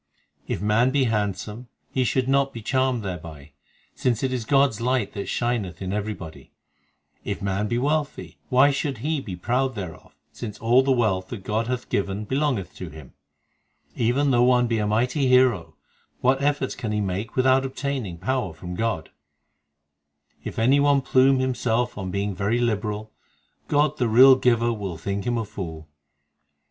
2 If man be handsome, he should not be charmed thereby, Since it is God s light that shineth in everybody. 1 Birtha. Also translated trouble, from the Sanskrit byatha. HYMNS OF GURU ARJAN 243 If man be wealthy, why should he be proud thereof, Since all the wealth that God hath given belongeth to Him? Even though one be a mighty hero, What efforts can he make without obtaining power from God? If any one plume himself on being very liberal, God the real Giver will think him a fool.